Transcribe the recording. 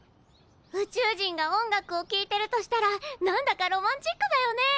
宇宙人が音楽をきいてるとしたら何だかロマンチックだよね。